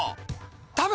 多分。